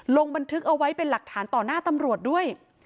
ลงบันทึกเอาไว้เป็นหลักฐานต่อหน้าตำรวจด้วย